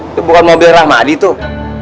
itu bukan mobil rahmadi tuh